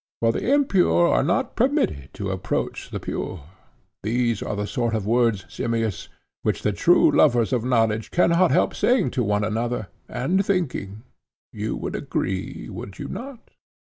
For the impure are not permitted to approach the pure. These are the sort of words, Simmias, which the true lovers of knowledge cannot help saying to one another, and thinking. You would agree; would you not?